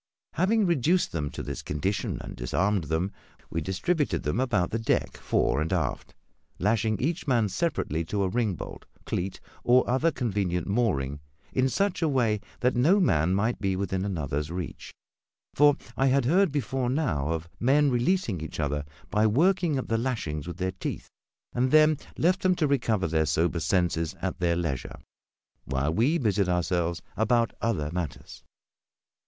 Having reduced them to this condition, and disarmed them, we distributed them about the deck fore and aft, lashing each man separately to a ringbolt, cleat, or other convenient mooring in such a way that no man might be within another's reach for I had heard before now of men releasing each other by working at the lashings with their teeth and then left them to recover their sober senses at their leisure, while we busied ourselves about other matters.